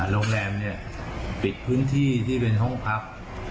โรงแรมเนี่ยปิดพื้นที่ที่เป็นห้องพัก